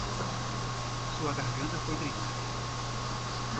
Sua garganta foi drenada.